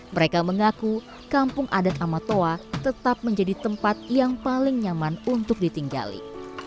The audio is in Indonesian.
mereka mengaku kampung adat amatoa tetap menjadi tempat yang paling nyaman untuk ditinggali